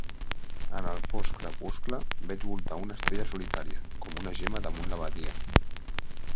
En el fosc crepuscle, veig voltar una estrella solitària, com una gemma damunt la badia.